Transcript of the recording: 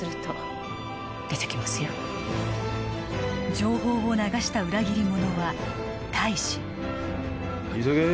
情報を流した裏切り者は大使急げ